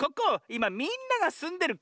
いまみんながすんでる